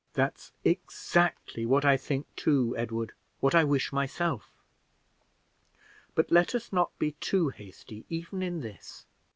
"That's exactly what I think too, Edward what I wish myself; but let us not be too hasty even in this.